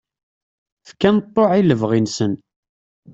Fkan ṭṭuɛ i lebɣi-nsen.